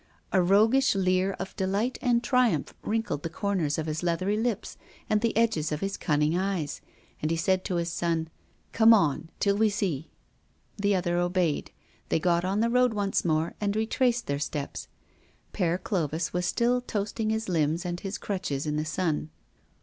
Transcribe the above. A roguish leer of delight and triumph wrinkled the corners of his leathery lips and the edges of his cunning eyes, and he said to his son: "Come on, till we see." The other obeyed. They got on the road once more, and retraced their steps. Père Clovis was still toasting his limbs and his crutches in the sun.